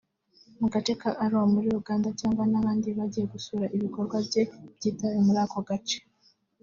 mu gace ka Arua muri Uganda cyangwa n’ahandi bagiye gusura ibikorwa bye by’itabi muri ako gace